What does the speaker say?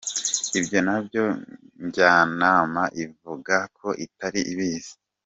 Ibyo na byo Njyanama ivuga ko itari ibizi.